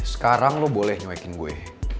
sekarang lo boleh nyobain gue